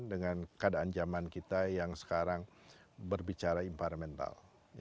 dengan keadaan zaman kita yang sekarang berbicara environmental